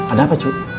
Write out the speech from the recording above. ada apa cu